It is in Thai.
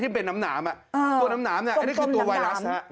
นี่เป็นน้ำหนามตัวน้ำหนามนี่คือตัวไวรัส